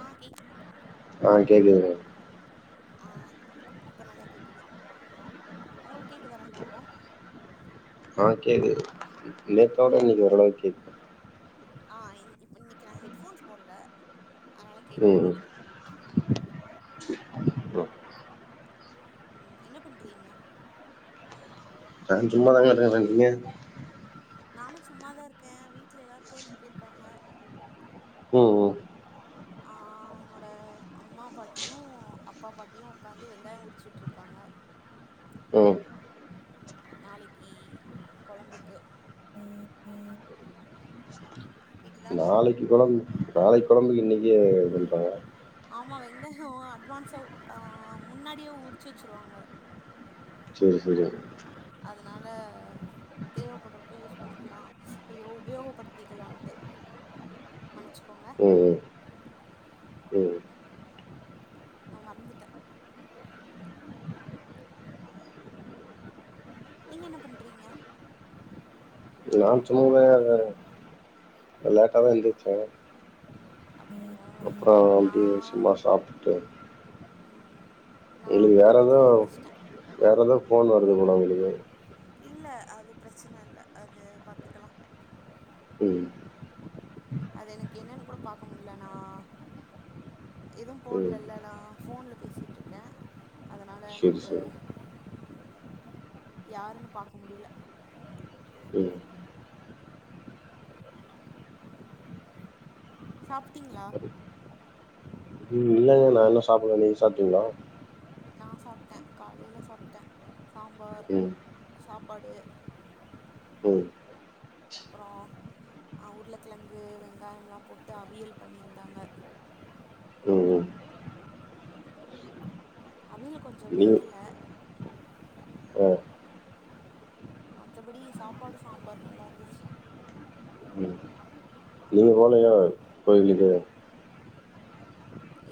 ஆ கேக் ஆஹ் கேக்குதுங்க ஆஹ் இப்ப நல்லா கேக்குது உங்களுக்கு கேக்குதா நல்லா இப்போ இப்ப கேக்குது நேத்தோட இன்னைக்கு ஓரளவு கேக்குது ஆஹ் இன்னைக்கு நான் ஹெட்போன்ஸ் போடல அதனால ம் கேட்கும்னு ம் நெனைக்கறேன் ம் ம் என்ன பண்றீங்க? நான் சும்மா தாங்க இருக்கறேன் நீங்க? நானும் சும்மாதான் இருக்கேன். வீட்ல எல்லாரும் கோயிலுக்கு போயிருக்காங்க போ ஆஹ் என்னோட அம்மா பாட்டியும் அப்பா பாட்டியும் உக்காந்து வெங்காயம் உரிச்சுகிட்டு இருக்காங்க ம் நாளைக்கு கொழம்புக்கு. கேக்குதா? நாளைக்கு கொழம்பு. நாளைக்கு கொழம்புக்கு இன்னைக்கே இது பண்ணிட்டாங்க ஆமா. வெங்காயம் அட்வான்ஸா அ அ முன்னாடியே உரிச்சு வெச்சுருவாங்க சரி சரி அதனால தேவைப்படறப்ப யூஸ் பண்ணிக்கலாம். ஐயோ உபயோகப்படுத்திக்கலான்ட்டு. மன்னிச்சுக்கோங்க. ம் ம் ம் நா மறந்துட்டேன் நீங்க என்ன பண்றீங்க நான் சும்மவே அது லேட்டா தா ஓ என்ந்திச்ச அப்படியா அப்புறம் அப்படியே நான் சும்மா சாப்பிட்டுட்டு இருந்தேன் ம், நான் உங்களுக்கு அஞ்சு வேற ஏதோ மணிக்கெலாம் எழுந்திரிச்சிட்டேன் வேற ஏதோ ஃபோன் வரு ஒரு குணங் இல்ல அது பிரச்சன இல்ல அது பாத்துக்கலாம் ம் அது எனக்கு என்னன்னு கூட பாக்க முடியல நான் எதுவும் ம் போடல நான் போன்ல பேசிட்டு இருக்கேன் அதனால சேரி எனக்கு சேரி யாருன்னு பாக்க முடியல ம் சாப்பிட்டீங்களா இல்லங்க நான் இன்னு சாப்பிடல நீங்க சாப்பிட்டீங்களா நான் சாப்பிட்டேன் காலையில சாப்பிட்டேன் சாம்பார் ம் சாப்பாடு ம் அப்புறம் உருளக்கிழங்கு வெங்காயம்லாம் போட்டு அவியல் பண்ணியிருந்தாங்க ம் ம் அவியல் கொஞ்சோ நீங்க வேகல ஆ மத்தபடி சாப்பாடு சாம்பார் நல்லா இருந்துச்சு ம் நீங்க போலையா கோய்ளுக்கு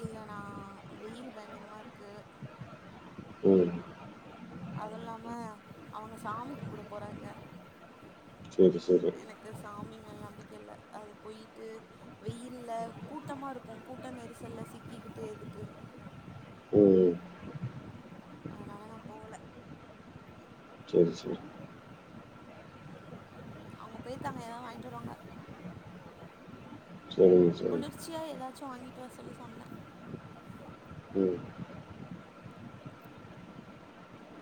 இல்லண்ணா வெயில் பயங்கரமா இருக்கு ம் அது இல்லாம அவங்க சாமி கும்பிட போறாங்க செரி செரி எனக்கு சாமி மேல நம்பிக்க இலல அது போயிட்டு வெயில கூட்டமா இருக்கும் கூட்ட நெரிசல்ல சிக்கிக்கிட்டு எதுக்கு ம் அதனால நா போகல செரி செரி அவங்க போயிருக்காங்க ஏதாவது வாங்கிட்டு வருவாங்க சரிங்க சரிங்க குளிர்ச்சியா ஏதா வாங்கிட்டு வர சொல்லி சொன்னேன் உம்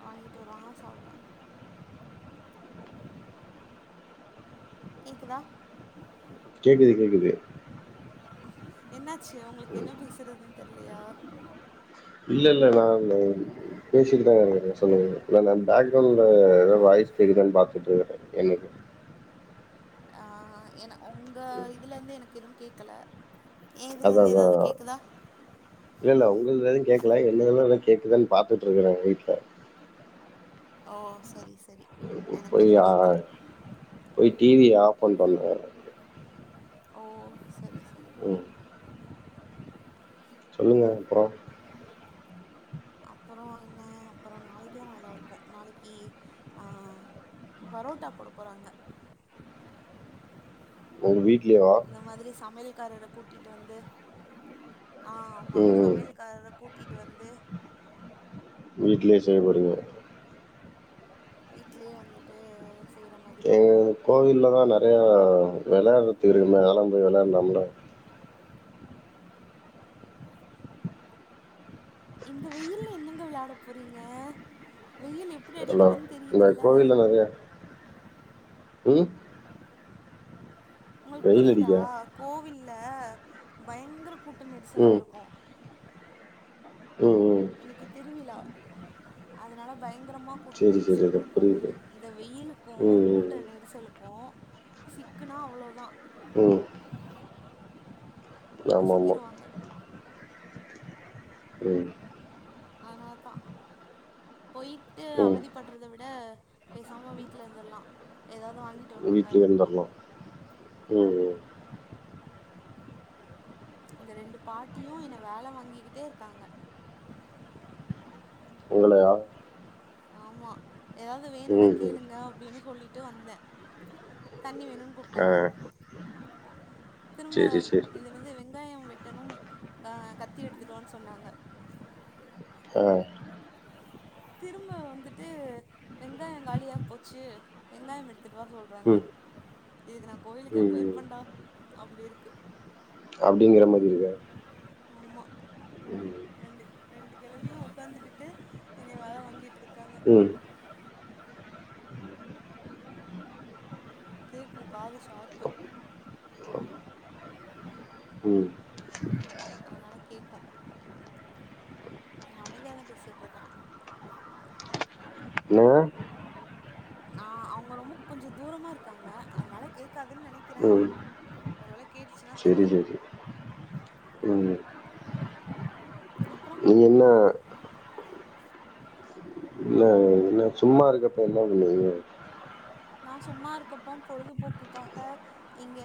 வாங்கிட்டு வருவாங்க சாப்பிடலாம் இதான் கேக்குது கேக்குது என்னாச்சு உங்களுக்கு என்ன பேசுறதுன்னு தெரியலையா இல்ல இல்ல நான் பேசிட்டுதான்ன சொல்லுங்க நான் பேக்ரவுண்ட்ல ஏதோ வாய்ஸ் கேக்குதான் பாத்துட்டு இருக்குறேன் எனக்கு ஆ என உங்க இதுல இருந்து எனக்கு எதுவும் கேட்கல ஏன் இதுல அதான் இருந்து அதான் ஏதாவது கேக்குதா இல்ல இல்ல உங்கள எதுவும் கேக்கல என்னதெல்லாம் கேக்குதானு பாத்துட்டு இருக்கறேன் வீட்டுல ஓ செரி செரி ஓ எனக்கு போய் எதுவும் ஆ கேக்கல போய் டிவிய ஆஃப் பண்ணிட்டு வந்தேன் ஓ செரி செரி ம் சொல்லுங்க அப்புறம் அப்பறோ என்ன அப்பறோ நாளைக்கு தா நல்லாருக்கு நாளைக்கி ஆ பரோட்டா போட போறாங்க ஒங்க வீட் இந்த மாதிரி சமையல் காரற கூட்டிட்டு வந்து உம் உம் காரற கூட்டிட்டு வந்து வீட்லே செய்ய போறீங்க வீட்லே வந்துட்டு செய்ற மாதிரி எங்க கோவில்ல தா நெறையா வெளையாடுறதுக்கு இருக்குமே அதாலாம் போயி வெளையாடலாம்ல இந்த வெயில்ல என்னங்க விளாட போறீங்க வெயில் எப்ப ஹலோ இந்த கோவில்ல நெறைய உம் உங்களுக் புரியிதா அடிக்கா கோவிலுக் இல்ல பயங்கர கூட்ட நெரிசலா ம் இருக்கு ம் ம் இன்னைக்கு திருவிழா அதனால பயங் ங்கரமா கூட்ட சேரி சேரி நெரிசல் அது இருக்கு புரியுது இந்த வெயிலுக்கு ம் கூட்ட ம் நெரிசலுக் கும் சிக்குனா அவ்ளோதா ம் ஆமா ஆமா நசிக்கிருவாங்க ம் அதனால தா போய்ட்டு ம் அவதி பட்றத விட பேசாம வீட்ல இருந்துர்லா எதாவ்து வாங்கிட்டு வருவாங்க வீட்லயே இருந்தர்லா ம் ம் அந்த ரெண்டு பாட்டியு என்ன வேல வாங்கிக்கிட்டே இருக்காங்க உங்களையா ஆமா எதாவ்து வேணுனா ம் ம் கேளுங்க அப்டினு சொல்லிட்டு வந்தே தண்ணி வேணுன் ஆ கூப்ட்டாங்க திரும்ப சேரி சேரி இதுல ருந்து வெ வெங்காயம் வெட்டணுனு ஆஹ் கத்தி எடுத்துட்டு வான் சொன்னாங்க ஆ திரும்ப வந்துட்டு வெங்காய காலியா போச்சு வெங்காயம் எடுத்துட்டு வா சொல்றாங்க ம் இதுக்கு நா கோயிலுக்கே ம் ம் போயிருப்பண்டா அப்டி இருக்கு அப்படிங்கிற மாரி இருக்கா ஆமா ம் நீயு ஒட்காந்துக்கிட்டு என்னய வேல வாங்கிட்ருக்க உம் கேக்கு காது ஷார்ப்பு ம் நல்லா கேக்கு நா அமைதியாதா பேசிட்ருக்கே என்னங்க நா அவ்ங்க ரொம்ப கொஞ்ச தூரமா இருக்காங்க அதுனால கேக்காதுன் நெனைக்கிறே ம் ஒரு வேளக் செரி செரி ம் அப்புறம் நீங்க என்ன இல்ல என்ன சும்மா இருக்கப்ப என்ன பண்ணதுவு நா சும்மாருக்கப்போ பொழுதுபோக்குக்காக இங்க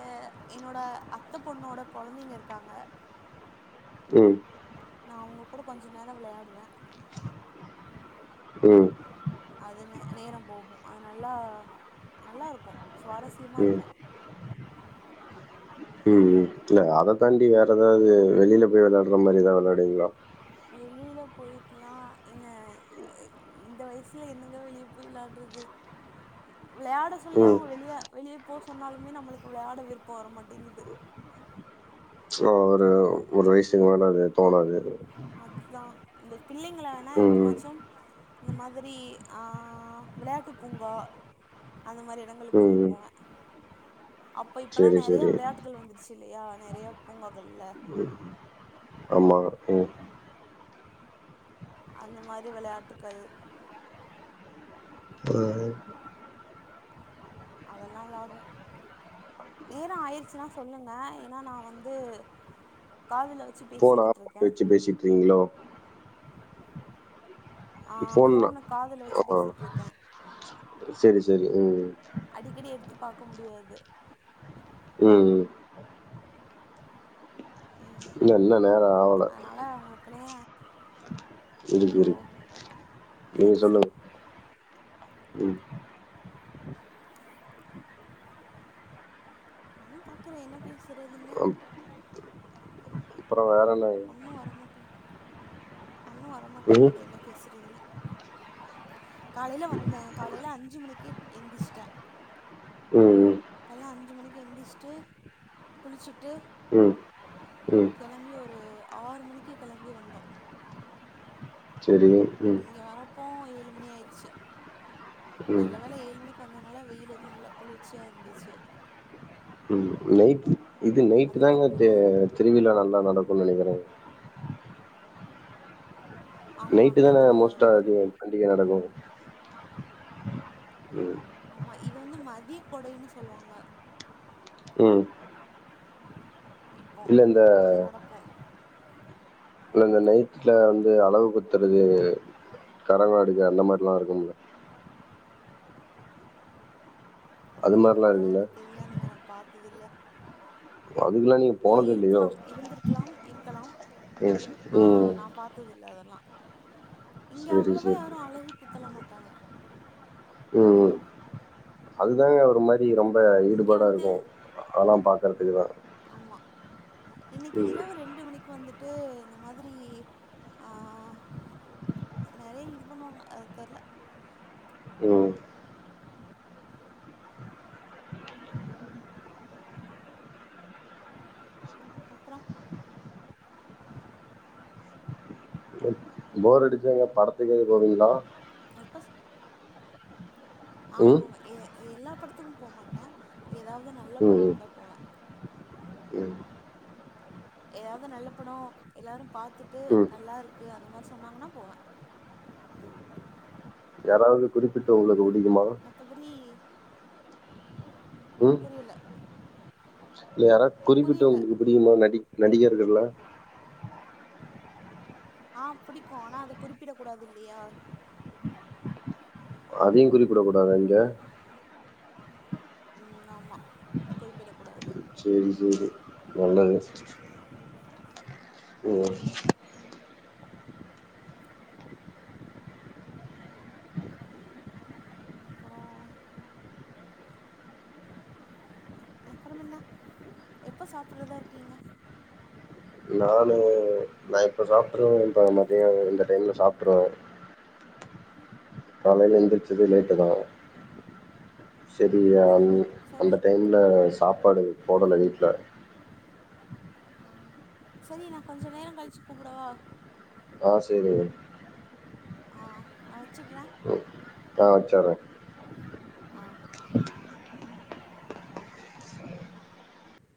என்னோட அத்தை பொண்ணோட கொழந்தைங்க இருக்காங்க ம், நா அவ்ங்க கூட கொஞ்ச நேர விளையாடுவே ம், ம், அது ந நேரம் போகு அது நல்லா நல்லா இருக்கு சுவாரஸ்யமா ம், இருக்கு உம் உம் இல்ல அத தாண்டி வேற எதாவ்து வெளில போய் வெளாட்ற மாரி எதா வெளையாடுவீங்ளா வெளியில போயட்டுலா ஏங்க இந்த வயசுல என்னங்க வெளிய போய் விளாடுறது விளையாட சொல்லி ம். அவங்க வெளிய வெளிய போக சொன்னாலுமே நம்மளுக்கு விளாட விருப்ப வரமாட்டேங்குது சோ அது ஒரு ஒரு வயசுக்கு மேல அது தோணாது அதுத்தா இந்த பிள்ளைங்களானா ம், ம், எப்பமாச்சும் இந்த மாதிரி ஆ விளையாட்டு பூங்கா அந்த மாரி எடங்களுக்கு ம், கூட்டிட்டு ம். போவே அப்போ இப்பல்லா சரி, நிறைய சரி. விளையாட்டுகள் வந்துருச்சு இல்லையா நெறைய பூங்காகள்ல ஆமா. ம். அந்த மாதிரி விளையாட்டுகள் அதெல்லா விளாடுவோம் நேரம் ஆயிடுச்சுன்னா சொல்லுங்க ஏனா நா வந்து காதுல வ போன ஆஃப் பண்ணி வச்சு பேசிட்ருக்கிங்ளோ ஆ ஃபோன் போன காதுல வச்சு ஆமா. பேசிட்ருக்கே சரி சரி ம் அடிக்கடி எடுத்து பாக்க முடியாது ம் ம் ம் இல்ல இன்ன நேரோ ஆவல அதனால உங்களுக்கு நேரோ இருக்கு இருக் ஓ நீங்க சரி சொல்லுங்க சரி ம். நானு பாக்குறே என்ன பேசுறதுன்னு அப் அப்புறம் வேற என்ன? ஒண்ணு வரமாட்டேங் ஒன்னும் ம், வரமாட்டேங்குது என்ன பேச ட்டுதுன்னு காலையில வந்தே காலையில அஞ்சு மணிக்கு எந்திரிச்சுட்டே ம், கால்ல அஞ்சு மணிக்கு எழுந்திச்சிட்டு குளிச்சுட்டு ம், ம், ம். கெளம்பி ஒரு ஆறு மணிக்கு கெளம்பி வந்தோம் சரி ம், இங்க வரப்போ எட்டு மணியாய்ச்சு ம். நல்ல வேல ஏழு மணிக் ந்தனல வெயில் எதுவு இல்ல குளிர்ச்சியா இருந்துச்சு ம் நைட் இது நைட்டுதாங்க தெ அதுக்கப்புறோ திருவிழா நல்லா நடக்கு நெனைக்கிறே ஆமா நைட்டு தான நல்லா மோஸ்ட்டா இருக்கு அது பண்டிகை நடக்கும் ம் ஆமா இது வந்து மதிய கொடைன்னு சொல்லுவாங்க ம் இப்போ இல்ல இந்த அங்க நடக்கும் இல்ல இந்த நைட்டுல வந்து அளவுகுத்துறது கரோக எடுக்குறது அந்த மாரில்லா இருக்கும்ல அது அப்டியா மாரிலா இருக்குல்ல எனக்கு தெரியாதுங்க நா பாத் இல்ல அதுக்கெல்லா நீங்க இல்ல போனது இல்லையோ இருக்கலாம் இருந்திருக்கலாம் இருக்கலாம் ம் அ ம் நா பாத்தது எல்லாதெல்லா இங்க செரி அவ்ளோவா செரி யாரு அழகு குத்தல மாட்டாங் ட்டங்கா ம் ம் அதுதாங்க ஒரு மாரி ரொம்ப இங்க ஈடுபாடா வந்து இருக்கு அதலாம் பாக்கறதுக்குதா ஆமா இன்னைக்கு ம் இரவு ரெண்டு மணிக்கு வந்துட்டு இந்த மாதிரி ஆஹ் நெறைய இது பண்ணுவாங்க அது தெர்ல ம் அப்புறம். போர் அடிச்சா எங்கா படத்துக்கீது போவீங்களா. ஆஹ் ம் போவே ஏ எல்லா படத்துக்கு போகமாட்டே ஏதாவது நல்ல பட ம் வந்தா போவே. ம் ஏதாவது நல்ல பட எல்லாரு பாத்துட்டு ம் நல்லா இருக்கு அந்த மாரி சொன்னாங்கன்னா போவே யாராவது குறிப்பிட்டு உங்குளுக்கு புடிக்குமா மத்தபடி புரியல. இ யாராவது குறிப்பிட்டு புரியல உங்களுக்கு பிடிக்குமா நடி நடிகர் இதுல்ல. ஆஹ் பிடிக்கும். ஆனா அத குறிப்பிட கூடாது இல்லியா. அதையு குறிப்பிடக் கூடாதா இங்க. உம் ஆமா குறிப்பிட கூடாது. சேரி சேரி நல்லது. உம். அப்புறம் அப்புறம் என்ன எப்போ சாப்புடறதா இருக்கீங்க. நான்னு நா இப்ப சாப்புட்ருவே இப்ப மதிய இந்த டைம்ல சாப்புட்ருவே காலையில எந்திரச்சது லேட்டு தா சரி அ சரி அந்த சரி டைம்ல சாப்பாடு போடலா வீட்டுல. ஆ சரி நா கொஞ்ச நேர கழிச்சு கூப்படவா. ஆஹ் சரி. நா வச்சுடற ஆஹ் வச்சர்ற ஆஹ்